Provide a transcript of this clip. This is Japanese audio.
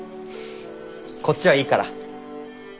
こっちはいいから。